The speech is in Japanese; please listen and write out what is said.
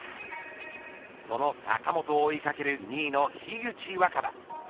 その坂本を追いかける２位の樋口新葉。